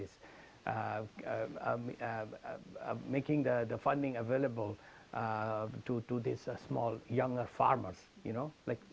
membuat pendapatan yang lebih mudah untuk para pemakai yang lebih muda